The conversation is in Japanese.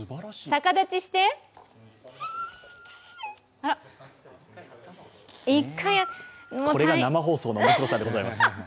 あらこれが生放送の面白さでございます。